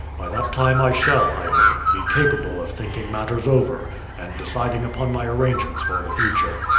By that time I shall, I hope, be capable of thinking matters over, and deciding upon my arrangements for the future.